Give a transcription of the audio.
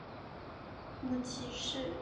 母齐氏。